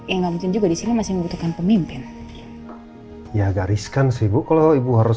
ya nggak mungkin juga disini masih membutuhkan pemimpin ya gariskan sih bu kalau ibu harus